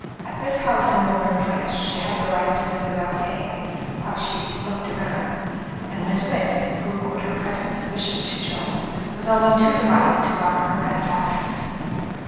At this house in Woburn Place she had the right to live without paying, while she "looked round," and Miss Witt, who owed her present position to Joan, was only too delighted to welcome her benefactress.